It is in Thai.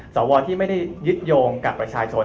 สวที่ไม่ได้ยึดโยงกับประชาชน